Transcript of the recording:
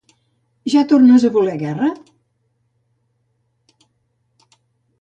¿Ja tornes a voler guerra?